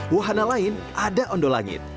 wahana lain ada ondo langit